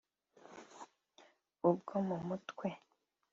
ubwo mu mutwe